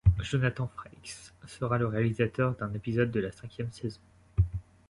Jonathan Frakes sera le réalisateur d'un épisode de la cinquième saison.